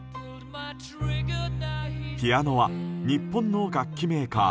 ピアノは日本の楽器メーカー